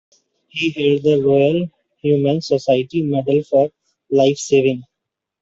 He held the Royal Humane Society Medal for Life-Saving.